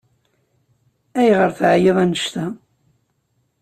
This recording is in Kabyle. Ayɣer teɛyiḍ annect-a?